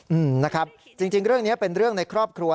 อืมนะครับจริงจริงเรื่องนี้เป็นเรื่องในครอบครัว